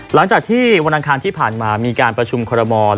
หลังจากที่วันอังคารที่ผ่านมามีการประชุมคอรมอล